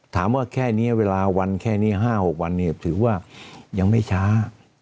แค่นี้เวลาวันแค่นี้๕๖วันเนี่ยถือว่ายังไม่ช้า